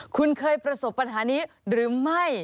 คุณเคยประสบปัญหานี้หรือไม่